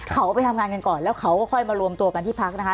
เขาไปทำงานกันก่อนแล้วเขาก็ค่อยมารวมตัวกันที่พักนะคะ